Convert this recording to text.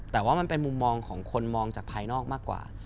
แต่ว่ามันเป็นมุมมองของคนมองจากภายนอกมากกว่า